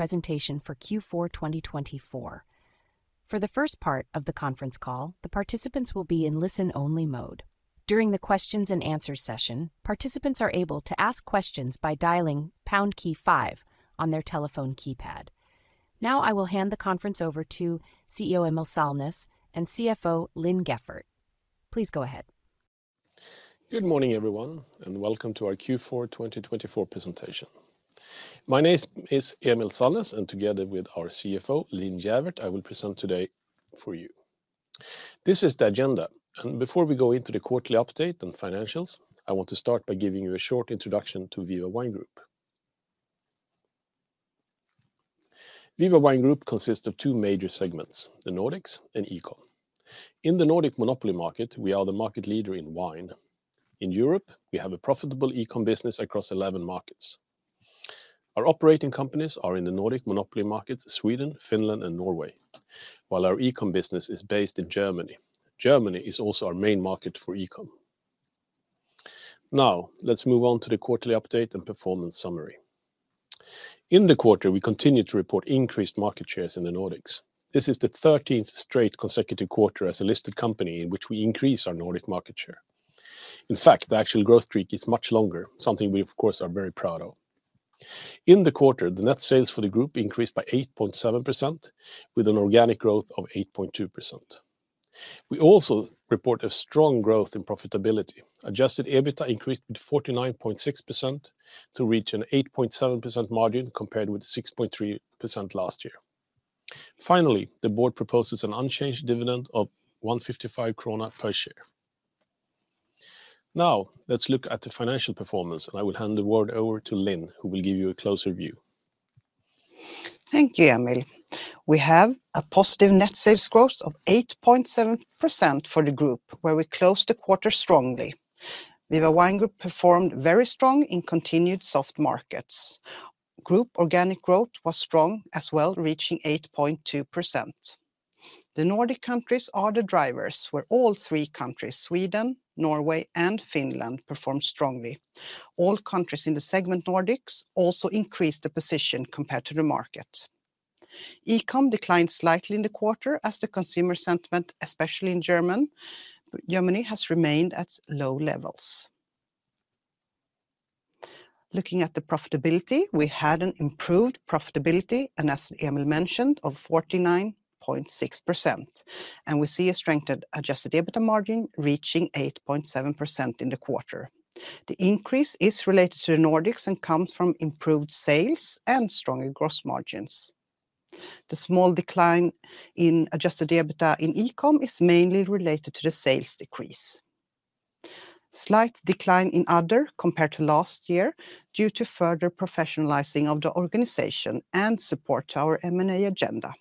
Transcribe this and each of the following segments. Presentation for Q4 2024. For the first part of the conference call, the participants will be in listen-only mode. During the Q&A session, participants are able to ask questions by dialing #5 on their telephone keypad. Now, I will hand the conference over to CEO Emil Sallnäs and CFO Linn Gäfvert. Please go ahead. Good morning, everyone, and welcome to our Q4 2024 presentation. My name is Emil Sallnäs, and together with our CFO, Linn Gäfvert, I will present today for you. This is the agenda, and before we go into the quarterly update and financials, I want to start by giving you a short introduction to Viva Wine Group. Viva Wine Group consists of two major segments: the Nordics and eCom. In the Nordic monopoly market, we are the market leader in wine. In Europe, we have a profitable eCom business across 11 markets. Our operating companies are in the Nordic monopoly markets: Sweden, Finland, and Norway, while our eCom business is based in Germany. Germany is also our main market for eCom. Now, let's move on to the quarterly update and performance summary. In the quarter, we continue to report increased market shares in the Nordics. This is the 13th straight consecutive quarter as a listed company in which we increase our Nordic market share. In fact, the actual growth streak is much longer, something we, of course, are very proud of. In the quarter, the net sales for the Group increased by 8.7%, with an organic growth of 8.2%. We also report a strong growth in profitability. Adjusted EBITDA increased with 49.6% to reach an 8.7% margin compared with 6.3% last year. Finally, the Board proposes an unchanged dividend of 155 krona per share. Now, let's look at the financial performance, and I will hand the word over to Linn, who will give you a closer view. Thank you, Emil. We have a positive net sales growth of 8.7% for the Group, where we closed the quarter strongly. Viva Wine Group performed very strong in continued soft markets. Group organic growth was strong as well, reaching 8.2%. The Nordic countries are the drivers, where all three countries, Sweden, Norway, and Finland, performed strongly. All countries in the segment, Nordics, also increased their position compared to the market. eCom declined slightly in the quarter, as the consumer sentiment, especially in Germany, has remained at low levels. Looking at the profitability, we had an improved profitability, as Emil mentioned, of 49.6%, and we see a strengthened Adjusted EBITDA margin reaching 8.7% in the quarter. The increase is related to the Nordics and comes from improved sales and stronger gross margins. The small decline in Adjusted EBITDA in eCom is mainly related to the sales decrease. Slight decline in OPEX compared to last year due to further professionalizing of the organization and support to our M&A agenda.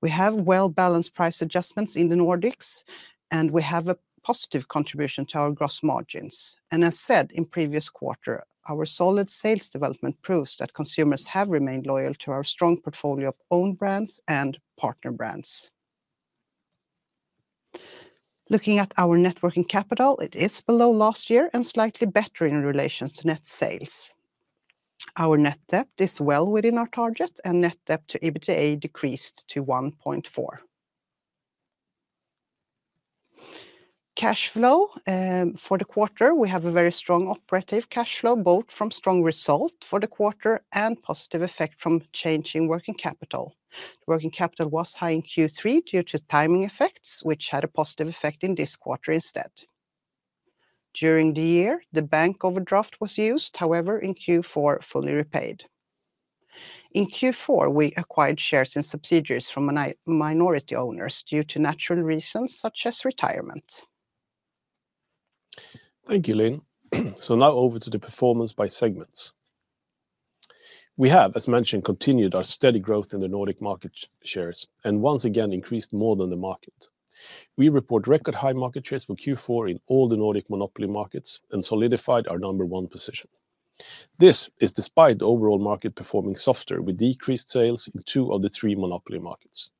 We have well-balanced price adjustments in the Nordics, and we have a positive contribution to our gross margins, and as said in the previous quarter, our solid sales development proves that consumers have remained loyal to our strong portfolio of own brands and partner brands. Looking at our working capital, it is below last year and slightly better in relation to net sales. Our net debt is well within our target, and net debt to EBITDA decreased to 1.4. Cash flow for the quarter, we have a very strong operating cash flow, both from strong result for the quarter and positive effect from changes in working capital. Working capital was high in Q3 due to timing effects, which had a positive effect in this quarter instead. During the year, the bank overdraft was used, however, in Q4 fully repaid. In Q4, we acquired shares and subsidiaries from minority owners due to natural reasons such as retirement. Thank you, Linn. So now over to the performance by segments. We have, as mentioned, continued our steady growth in the Nordic market shares and once again increased more than the market. We report record high market shares for Q4 in all the Nordic monopoly markets and solidified our number one position. This is despite the overall market performing softer with decreased sales in two of the three monopoly markets.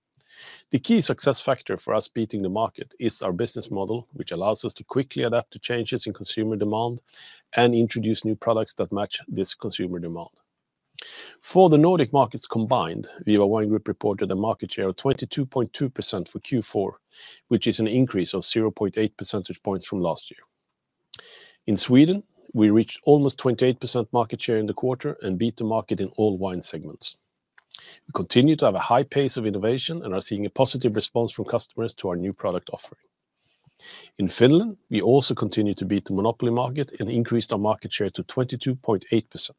The key success factor for us beating the market is our business model, which allows us to quickly adapt to changes in consumer demand and introduce new products that match this consumer demand. For the Nordic markets combined, Viva Wine Group reported a market share of 22.2% for Q4, which is an increase of 0.8 percentage points from last year. In Sweden, we reached almost 28% market share in the quarter and beat the market in all wine segments. We continue to have a high pace of innovation and are seeing a positive response from customers to our new product offering. In Finland, we also continue to beat the monopoly market and increased our market share to 22.8%.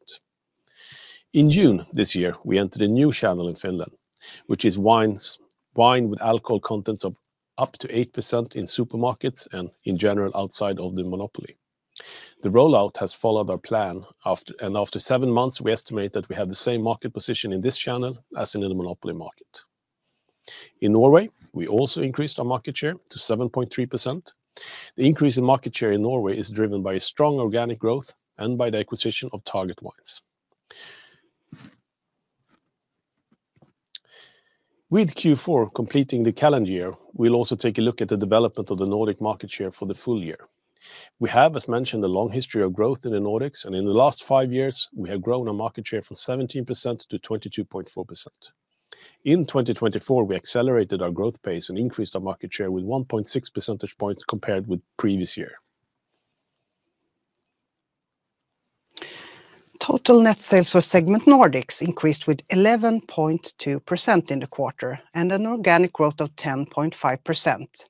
In June this year, we entered a new channel in Finland, which is wine with alcohol contents of up to 8% in supermarkets and in general outside of the monopoly. The rollout has followed our plan, and after seven months, we estimate that we have the same market position in this channel as in the monopoly market. In Norway, we also increased our market share to 7.3%. The increase in market share in Norway is driven by strong organic growth and by the acquisition of Target Wines. With Q4 completing the calendar year, we'll also take a look at the development of the Nordic market share for the full year. We have, as mentioned, a long history of growth in the Nordics, and in the last five years, we have grown our market share from 17% to 22.4%. In 2024, we accelerated our growth pace and increased our market share with 1.6 percentage points compared with the previous year. Total net sales for segment Nordics increased with 11.2% in the quarter and an organic growth of 10.5%.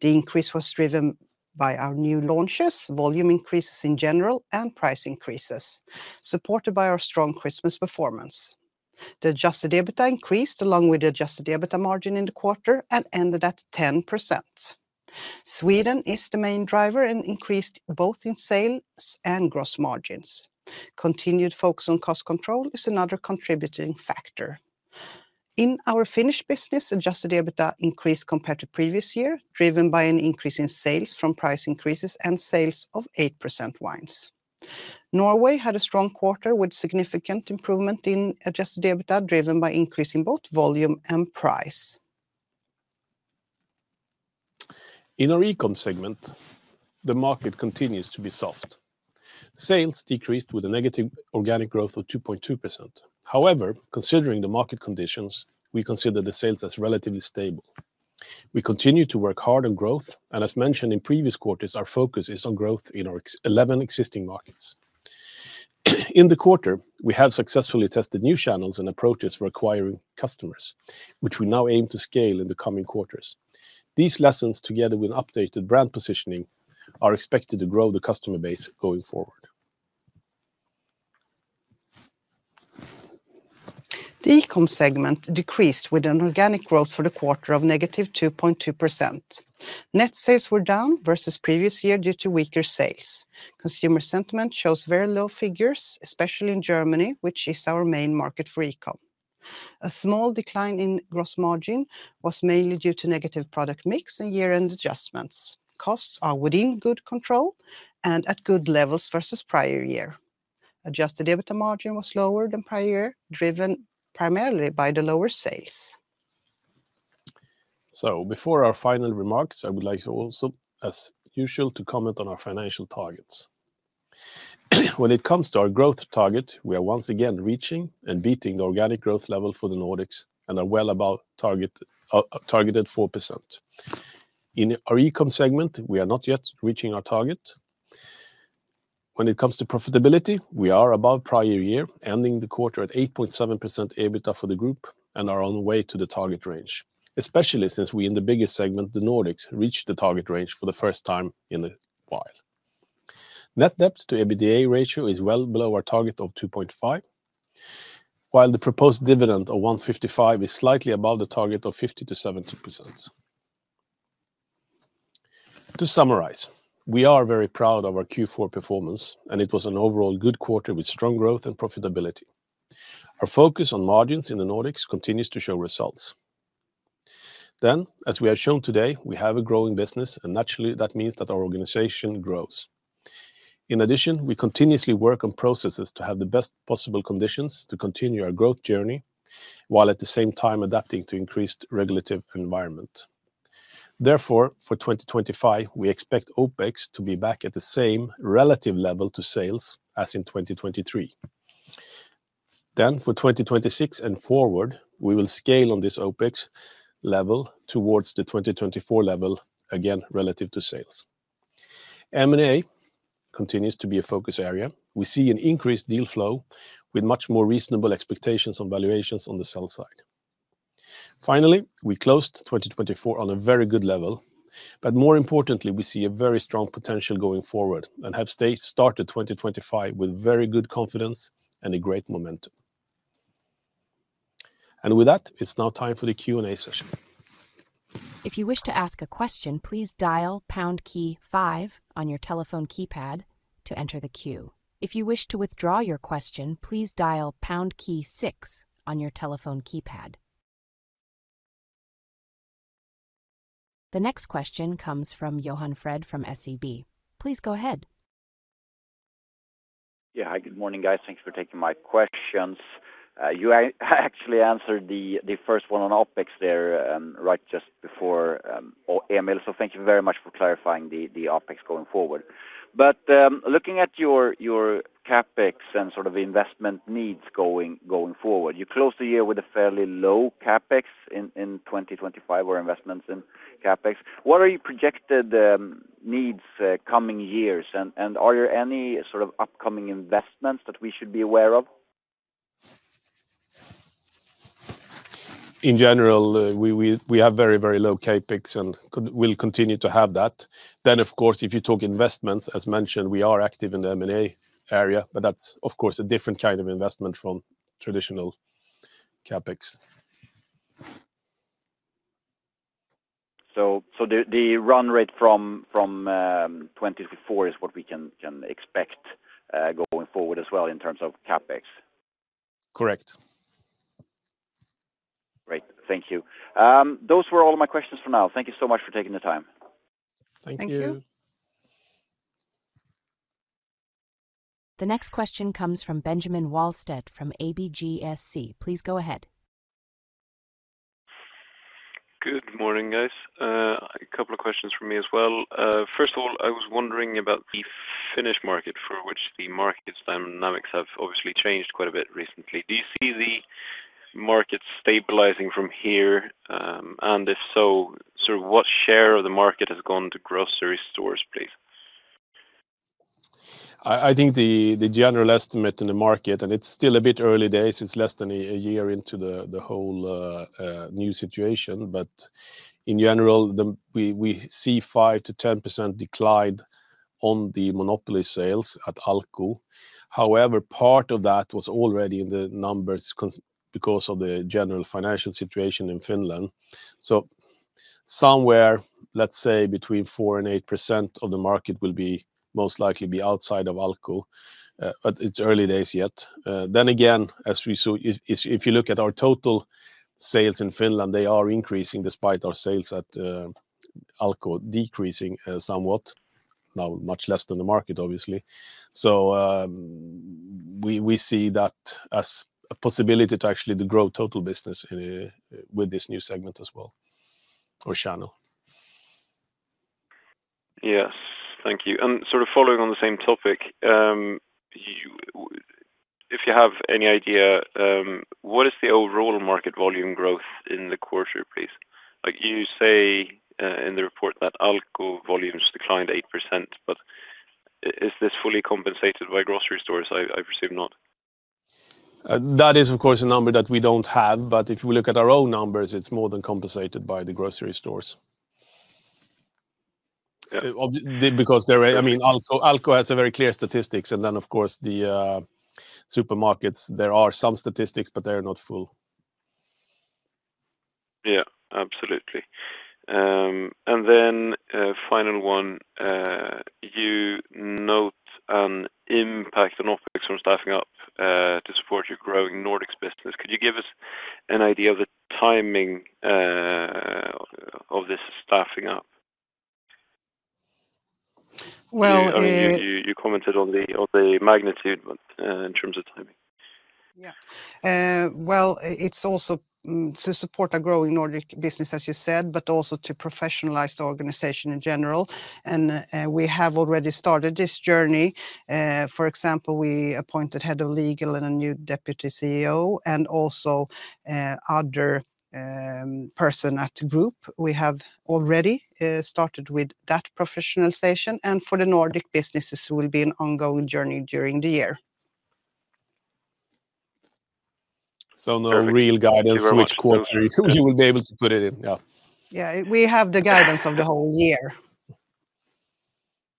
The increase was driven by our new launches, volume increases in general, and price increases, supported by our strong Christmas performance. The Adjusted EBITDA increased along with the Adjusted EBITDA margin in the quarter and ended at 10%. Sweden is the main driver and increased both in sales and gross margins. Continued focus on cost control is another contributing factor. In our Finnish business, Adjusted EBITDA increased compared to the previous year, driven by an increase in sales from price increases and sales of 8% wines. Norway had a strong quarter with significant improvement in Adjusted EBITDA, driven by an increase in both volume and price. In our eCom segment, the market continues to be soft. Sales decreased with a negative organic growth of 2.2%. However, considering the market conditions, we consider the sales as relatively stable. We continue to work hard on growth, and as mentioned in previous quarters, our focus is on growth in our 11 existing markets. In the quarter, we have successfully tested new channels and approaches for acquiring customers, which we now aim to scale in the coming quarters. These lessons, together with updated brand positioning, are expected to grow the customer base going forward. The eCom segment decreased with an organic growth for the quarter of negative 2.2%. Net sales were down versus the previous year due to weaker sales. Consumer sentiment shows very low figures, especially in Germany, which is our main market for eCom. A small decline in gross margin was mainly due to negative product mix and year-end adjustments. Costs are within good control and at good levels versus the prior year. Adjusted EBITDA margin was lower than the prior year, driven primarily by the lower sales. So before our final remarks, I would like to also, as usual, comment on our financial targets. When it comes to our growth target, we are once again reaching and beating the organic growth level for the Nordics and are well above target at 4%. In our eCom segment, we are not yet reaching our target. When it comes to profitability, we are above the prior year, ending the quarter at 8.7% EBITDA for the Group and are on the way to the target range, especially since we, in the biggest segment, the Nordics, reached the target range for the first time in a while. Net debt to EBITDA ratio is well below our target of 2.5, while the proposed dividend of 155 is slightly above the target of 50%-70%. To summarize, we are very proud of our Q4 performance, and it was an overall good quarter with strong growth and profitability. Our focus on margins in the Nordics continues to show results. Then, as we have shown today, we have a growing business, and naturally, that means that our organization grows. In addition, we continuously work on processes to have the best possible conditions to continue our growth journey, while at the same time adapting to the increased regulatory environment. Therefore, for 2025, we expect OPEX to be back at the same relative level to sales as in 2023. Then, for 2026 and forward, we will scale on this OPEX level towards the 2024 level, again relative to sales. M&A continues to be a focus area. We see an increased deal flow with much more reasonable expectations on valuations on the sell side. Finally, we closed 2024 on a very good level, but more importantly, we see a very strong potential going forward and have started 2025 with very good confidence and a great momentum, and with that, it's now time for the Q&A session. If you wish to ask a question, please dial #5 on your telephone keypad to enter the queue. If you wish to withdraw your question, please dial #6 on your telephone keypad. The next question comes from Johan Fred from SEB. Please go ahead. Yeah, hi, good morning, guys. Thanks for taking my questions. You actually answered the first one on OPEX there right just before Emil, so thank you very much for clarifying the OPEX going forward. But looking at your CapEx and sort of investment needs going forward, you closed the year with a fairly low CapEx in 2025 or investments in CapEx. What are your projected needs coming years, and are there any sort of upcoming investments that we should be aware of? In general, we have very, very low CapEx and will continue to have that. Then, of course, if you talk investments, as mentioned, we are active in the M&A area, but that's, of course, a different kind of investment from traditional CapEx. So the run rate from 2024 is what we can expect going forward as well in terms of CapEx? Correct. Great, thank you. Those were all my questions for now. Thank you so much for taking the time. Thank you. Thank you. The next question comes from Benjamin Wahlstedt from ABGSC. Please go ahead. Good morning, guys. A couple of questions for me as well. First of all, I was wondering about the Finnish market, for which the market dynamics have obviously changed quite a bit recently. Do you see the market stabilizing from here? And if so, sort of what share of the market has gone to grocery stores, please? I think the general estimate in the market, and it's still a bit early days, it's less than a year into the whole new situation, but in general, we see 5%-10% decline on the monopoly sales at Alko. However, part of that was already in the numbers because of the general financial situation in Finland. So somewhere, let's say, between 4% and 8% of the market will most likely be outside of Alko. It's early days yet. Then again, if you look at our total sales in Finland, they are increasing despite our sales at Alko decreasing somewhat, now much less than the market, obviously. So we see that as a possibility to actually grow total business with this new segment as well or channel. Yes, thank you, and sort of following on the same topic, if you have any idea, what is the overall market volume growth in the quarter, please? You say in the report that Alko volumes declined 8%, but is this fully compensated by grocery stores? I presume not. That is, of course, a number that we don't have, but if we look at our own numbers, it's more than compensated by the grocery stores. Because Alko has very clear statistics, and then, of course, the supermarkets, there are some statistics, but they're not full. Yeah, absolutely. And then final one, you note an impact on OPEX from staffing up to support your growing Nordics business. Could you give us an idea of the timing of this staffing up? Well. You commented on the magnitude in terms of timing. Yeah. Well, it's also to support a growing Nordic business, as you said, but also to professionalize the organization in general. And we have already started this journey. For example, we appointed Head of Legal and a new Deputy CEO and also another person at the Group. We have already started with that professionalization, and for the Nordic businesses, it will be an ongoing journey during the year. So, no real guidance which quarter you will be able to put it in, yeah. Yeah, we have the guidance of the whole year.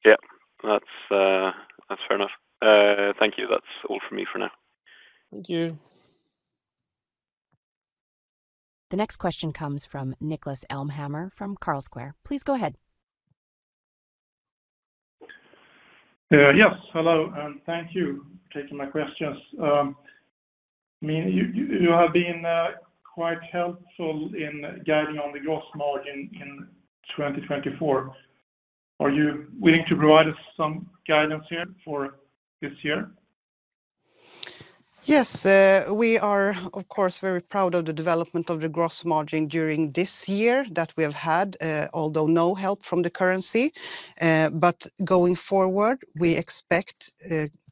Yeah, that's fair enough. Thank you. That's all from me for now. Thank you. The next question comes from Niklas Elmhammer from Carlsquare. Please go ahead. Yes, hello, and thank you for taking my questions. You have been quite helpful in guiding on the gross margin in 2024. Are you willing to provide us some guidance for this year? Yes, we are, of course, very proud of the development of the gross margin during this year that we have had, although no help from the currency, but going forward, we expect,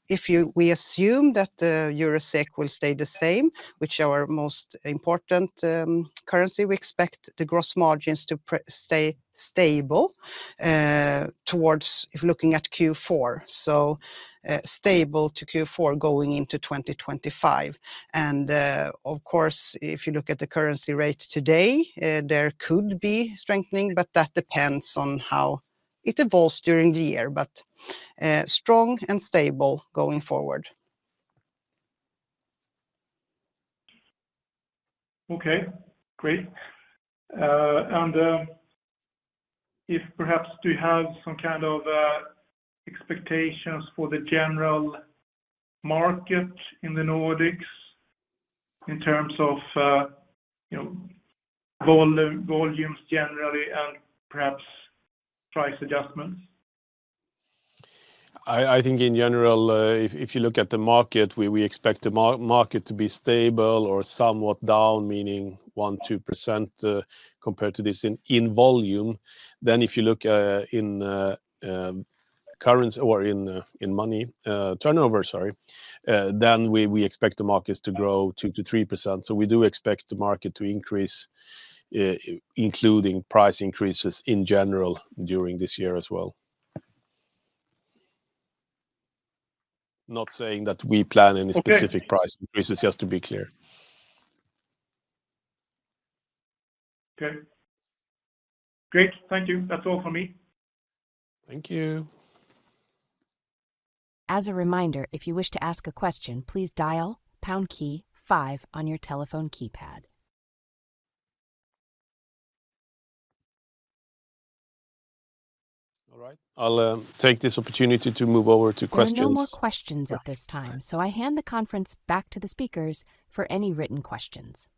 if we assume that the Eurosec will stay the same, which is our most important currency, we expect the gross margins to stay stable towards, if looking at Q4, so stable to Q4 going into 2025, and of course, if you look at the currency rate today, there could be strengthening, but that depends on how it evolves during the year, but strong and stable going forward. Okay, great. And if perhaps do you have some kind of expectations for the general market in the Nordics in terms of volumes generally and perhaps price adjustments? I think in general, if you look at the market, we expect the market to be stable or somewhat down, meaning 1%, 2% compared to this in volume. Then if you look in currency or in money turnover, sorry, then we expect the markets to grow 2% to 3%. So we do expect the market to increase, including price increases in general during this year as well. Not saying that we plan any specific price increases, just to be clear. Okay, great. Thank you. That's all from me. Thank you. As a reminder, if you wish to ask a question, please dial #5 on your telephone keypad. All right. I'll take this opportunity to move over to questions. No more questions at this time, so I hand the conference back to the speakers for any written questions.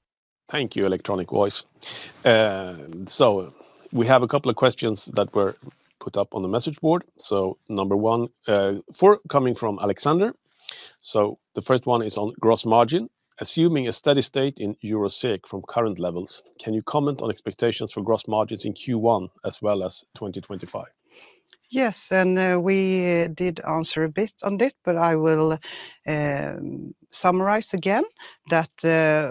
Thank you, electronic voice. We have a couple of questions that were put up on the message board. Number one coming from Alexander. The first one is on gross margin. Assuming a steady state in Eurosec from current levels, can you comment on expectations for gross margins in Q1 as well as 2025? Yes, and we did answer a bit on it, but I will summarize again that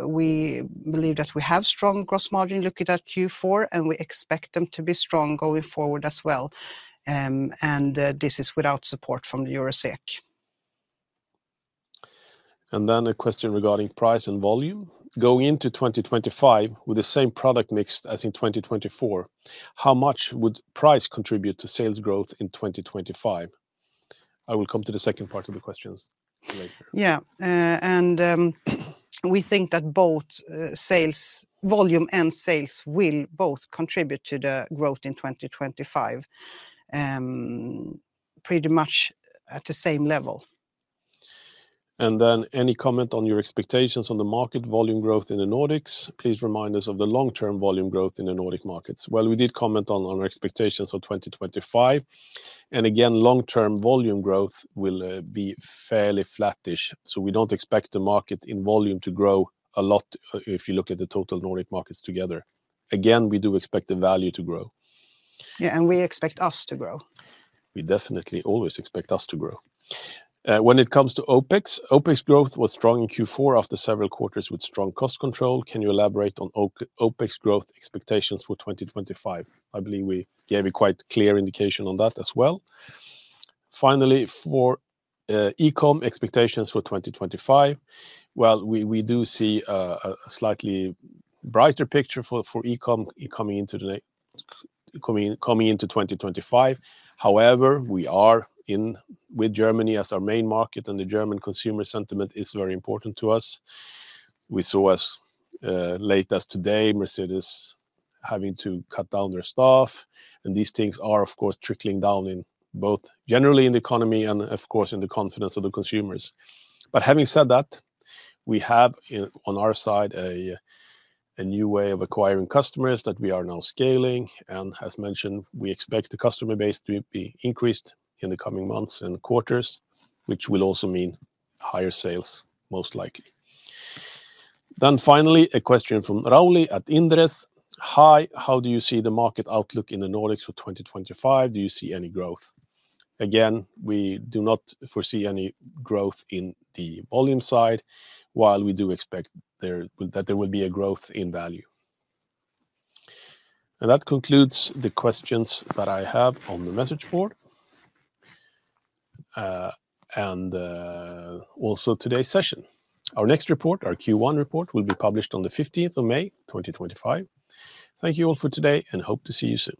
we believe that we have strong gross margin looking at Q4, and we expect them to be strong going forward as well. And this is without support from the Eurosec. And then a question regarding price and volume. Going into 2025 with the same product mix as in 2024, how much would price contribute to sales growth in 2025? I will come to the second part of the questions later. Yeah, and we think that both sales volume and sales will both contribute to the growth in 2025 pretty much at the same level. And then any comment on your expectations on the market volume growth in the Nordics? Please remind us of the long-term volume growth in the Nordic markets. Well, we did comment on our expectations for 2025, and again, long-term volume growth will be fairly flattish. So we don't expect the market in volume to grow a lot if you look at the total Nordic markets together. Again, we do expect the value to grow. Yeah, and we expect us to grow. We definitely always expect us to grow. When it comes to OPEX, OPEX growth was strong in Q4 after several quarters with strong cost control. Can you elaborate on OPEX growth expectations for 2025? I believe we gave a quite clear indication on that as well. Finally, for eCom expectations for 2025, well, we do see a slightly brighter picture for eCom coming into 2025. However, we are with Germany as our main market, and the German consumer sentiment is very important to us. We saw as late as today, Mercedes having to cut down their staff, and these things are, of course, trickling down in both generally in the economy and, of course, in the confidence of the consumers. But having said that, we have on our side a new way of acquiring customers that we are now scaling, and as mentioned, we expect the customer base to be increased in the coming months and quarters, which will also mean higher sales most likely. Then finally, a question from Rauli at Inderes. Hi, how do you see the market outlook in the Nordics for 2025? Do you see any growth? Again, we do not foresee any growth in the volume side, while we do expect that there will be a growth in value. And that concludes the questions that I have on the message board and also today's session. Our next report, our Q1 report, will be published on the 15th of May, 2025. Thank you all for today, and hope to see you soon.